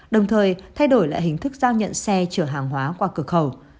đồng thời thay đổi lại hình thức giao nhận xe chở hàng hóa qua cửa khẩu